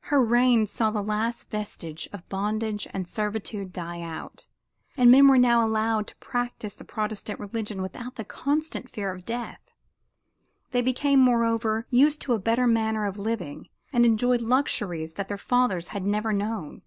Her reign saw the last vestige of bondage and servitude die out; and men were now allowed to practise the Protestant religion without the constant fear of death. They became, moreover, used to a better manner of living and enjoyed luxuries that their fathers had never known.